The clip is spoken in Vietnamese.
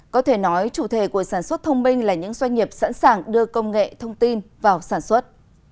có thể nói chủ thể của sản xuất thông minh là những doanh nghiệp sẵn sàng đưa công nghệ thông tin vào sản xuất